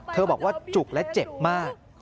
บอกว่าจุกและเจ็บมาก